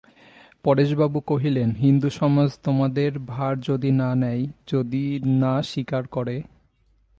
পরেশবাবু কহিলেন, হিন্দুসমাজ তোমাদের ভার যদি না নেয়, যদি না স্বীকার করে?